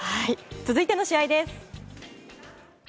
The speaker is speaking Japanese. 続いての試合です。